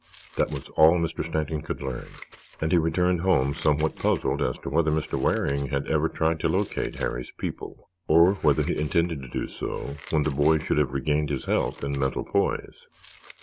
That was all that Mr. Stanton could learn and he returned home somewhat puzzled as to whether Mr. Waring had ever tried to locate Harry's people, or whether he intended to do so when the boy should have regained his health and mental poise.